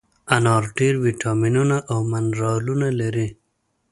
انار ډېر ویټامینونه او منرالونه لري.